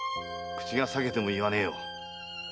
口が裂けても言わねえよ。